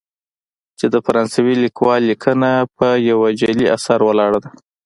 چې د فرانسوي لیکوال لیکنه پر یوه جعلي اثر ولاړه ده.